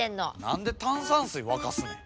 何で炭酸水沸かすねん。